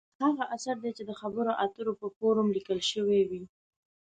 هغه اثر دی چې د خبرو اترو په فورم لیکل شوې وي.